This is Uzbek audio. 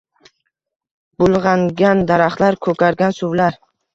Bulgʻangan daraxtlar, koʻkargan suvlar.